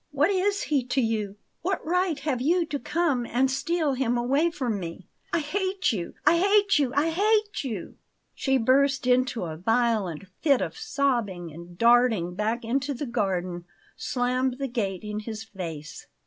What is he to you? What right have you to come and steal him away from me? I hate you! I hate you! I HATE you!" She burst into a violent fit of sobbing, and, darting back into the garden, slammed the gate in his face.